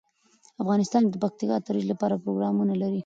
افغانستان د پکتیکا د ترویج لپاره پروګرامونه لري.